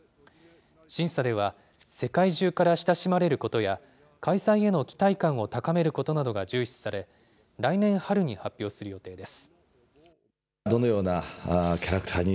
審査では、世界中から親しまれることや、開催への期待感を高めることなどが重視され、来年春に発表する予定です。